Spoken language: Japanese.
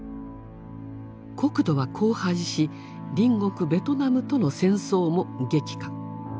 国土は荒廃し隣国ベトナムとの戦争も激化。